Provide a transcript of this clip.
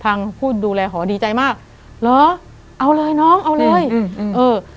ทางผู้ดูแลหอดีใจมากเหรอเอาเลยน้องเอาเลยอืมเออ